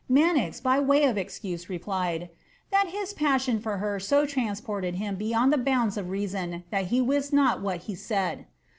Manox, by way of excuse, replied, ^ that his passion for her so transported him beyond the boundis of res son, that he wist not what he said."'